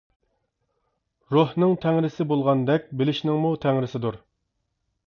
روھنىڭ تەڭرىسى بولغاندەك بىلىشنىڭمۇ تەڭرىسىدۇر.